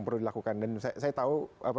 perlu dilakukan dan saya tahu